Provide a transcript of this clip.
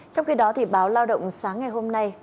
trong khi đó báo lao động sáng ngày hôm nay